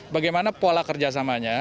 bagaimana pola kerjasamanya